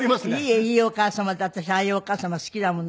いえいいお母様だったしああいうお母様好きだもの。